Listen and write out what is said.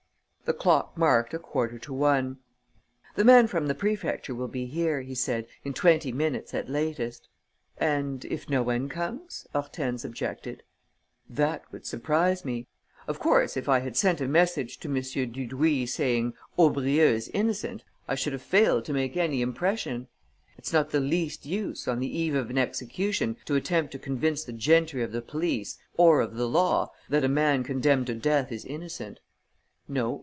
The clock marked a quarter to one. "The man from the prefecture will be here," he said, "in twenty minutes at latest." "And if no one comes?" Hortense objected. "That would surprise me. Of course, if I had sent a message to M. Dudouis saying, 'Aubrieux is innocent,' I should have failed to make any impression. It's not the least use, on the eve of an execution, to attempt to convince the gentry of the police or of the law that a man condemned to death is innocent. No.